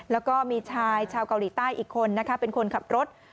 แล้วก็มีชายชาวเกาหลีใต้อีกคนนะคะเป็นคนขับรถ